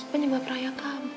penyebab raya kamu